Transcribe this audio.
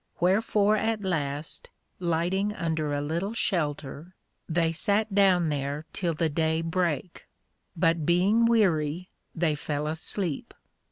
Wherefore at last, lighting under a little shelter, they sat down there till the day brake; but being weary, they fell asleep.